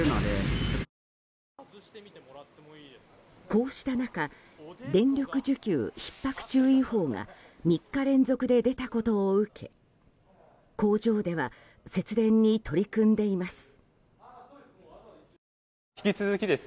こうした中電力需給ひっ迫注意報が３日連続で出たことを受け工場では節電に取り組んでいます。